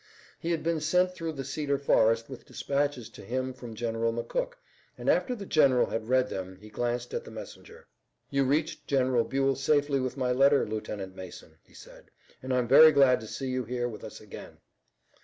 He had been sent through the cedar forest with dispatches to him from General McCook, and after the general had read them he glanced at the messenger. "You reached General Buell safely with my letter, Lieutenant Mason," he said, "and I'm very glad to see you here with us again."